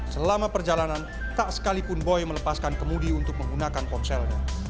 selama perjalanan tak sekalipun boy melepaskan kemudi untuk menggunakan ponselnya